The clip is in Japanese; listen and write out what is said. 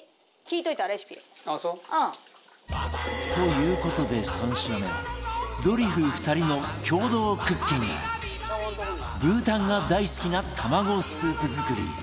という事で３品目はドリフ２人の共同クッキングブーたんが大好きな玉子スープ作り